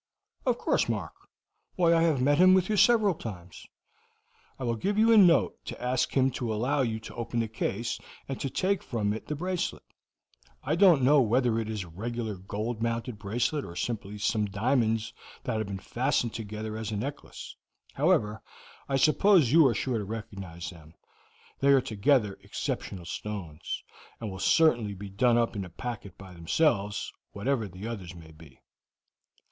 "Of course, Mark; why, I have met him with you several times." "I will give you a note to ask him to allow you to open the case, and to take from it the bracelet; I don't know whether it is a regular gold mounted bracelet, or simply some diamonds that have been fastened together as a necklace; however, I suppose you are sure to recognize them; they are altogether exceptional stones, and will certainly be done up in a packet by themselves, whatever the others may be.